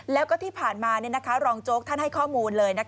แล้วก็ที่ผ่านมารองโจ๊กท่านให้ข้อมูลเลย